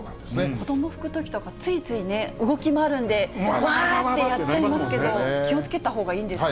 子ども拭くときとかね、ついついね、動き回るんで、わーってやっちゃいますけど、気をつけたほうがいいんですね。